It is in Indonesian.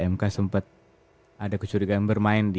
mk sempat ada kecurigaan bermain di